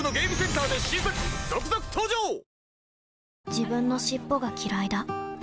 自分の尻尾がきらいだ